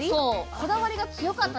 こだわりが強かったです